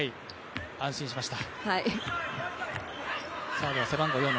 安心しました。